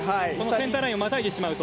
センターラインをまたいでしまうと。